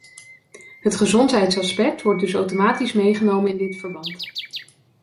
Het gezondheidsaspect wordt dus automatisch meegenomen in dit verband.